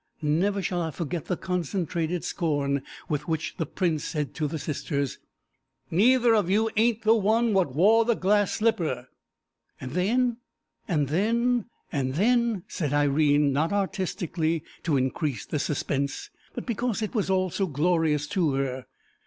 Never shall I forget the concentrated scorn with which the prince said to the sisters, "Neither of you ain't the one what wore the glass slipper." "And then and then and then ," said Irene, not artistically to increase the suspense, but because it was all so glorious to her.